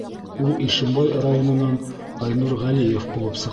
Ул Ишембай районынан Айнур Ғәлиев булып сыҡты.